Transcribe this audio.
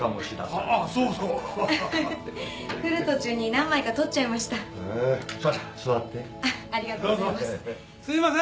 ありがとうございます。